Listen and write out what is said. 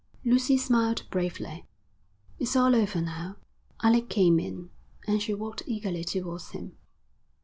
Lucy smiled bravely. 'It's all over now.' Alec came in, and she walked eagerly towards him.